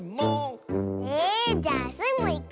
えじゃあスイもいく。